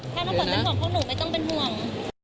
ถ้าเมื่อฝนเป็นห่วงพวกหนูไม่ต้องเป็นห่วง